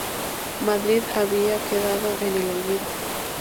Madrid había quedado en el olvido.